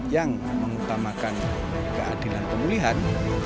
yang mengutamakan keadilan pemulihan